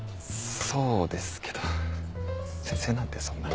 そうですけど先生なんてそんな。